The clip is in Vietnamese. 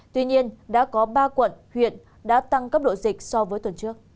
tuy nhiên đã có ba quận huyện đã tăng cấp độ dịch so với tuần trước